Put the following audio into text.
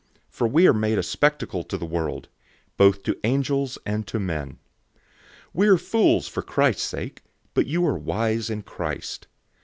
For we are made a spectacle to the world, both to angels and men. 004:010 We are fools for Christ's sake, but you are wise in Christ.